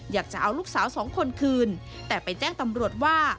อยากจะเอาลูกสาวสองคนคืนแต่ไปแจ้งตำรวจว่า